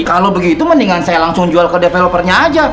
kalau begitu mendingan saya langsung jual ke developernya aja